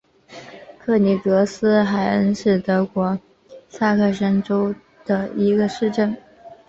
克尼格斯海恩是德国萨克森州的一个市镇。